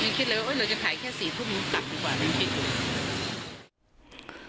ยังคิดให้เหลือจะถ่ายแค่๔พบมีอุดตับกว่ามายังคิด